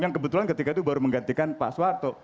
yang kebetulan ketika itu baru menggantikan pak soeharto